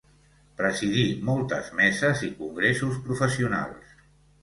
Presidí moltes meses i congressos professionals.